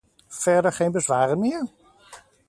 Verder geen bezwaren meer?